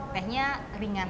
tehnya ringan ya